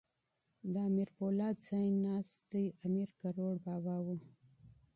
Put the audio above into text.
د امیر پولاد ځای ناستی امیر کروړ بابا وو.